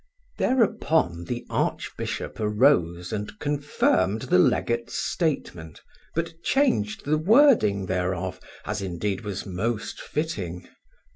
Thereupon the archbishop arose and confirmed the legate's statement, but changed the wording thereof, as indeed was most fitting.